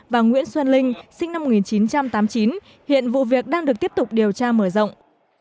và nguyễn xuân linh sinh năm một nghìn chín trăm tám mươi chín hiện vụ việc đang được tiếp tục điều tra mở rộng